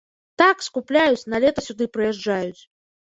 Так, скупляюць, на лета сюды прыязджаюць.